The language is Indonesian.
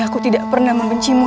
aku tidak pernah membencimu